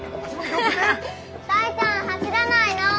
大ちゃん走らないの！